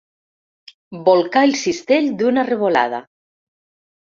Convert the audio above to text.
Bolcà el cistell d'una revolada.